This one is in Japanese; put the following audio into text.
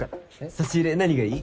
差し入れ何がいい？